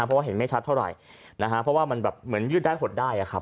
เพราะว่าเห็นไม่ชัดเท่าไหร่นะฮะเพราะว่ามันแบบเหมือนยืดได้หดได้อะครับ